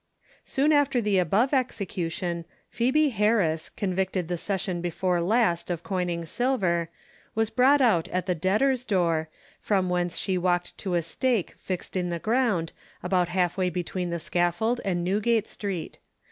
Soon after the above execution, Phœbe Harris, convicted the session before last of coining silver, was brought out at the debtor's door, from whence she walked to a stake fixed in the ground, about half way between the scaffold and Newgate street.